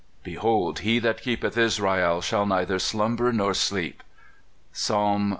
" Behold, he that keepeth Israel shall neither slumber nor sleep." (I's. cxxi.